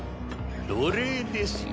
奴隷ですよ。